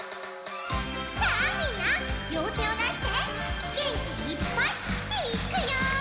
さあみんなりょうてをだしてげんきいっぱいいっくよ！